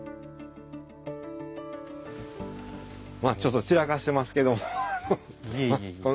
ちょっと散らかしてますけど。